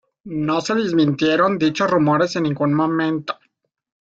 No se desmintieron dichos rumores en ningún momento.